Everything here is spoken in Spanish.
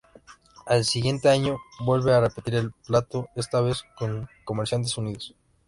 Al siguiente año vuelve a repetir el plato esta vez con Comerciantes Unidos.